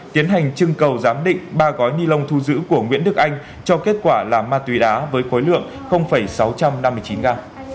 tiến hành trưng cầu giám định ba gói ni lông thu giữ của nguyễn đức anh cho kết quả là ma túy đá với khối lượng sáu trăm năm mươi chín gam